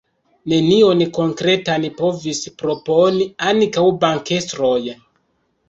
Nenion konkretan povis proponi ankaŭ bankestroj.